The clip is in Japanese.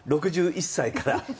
６１歳から。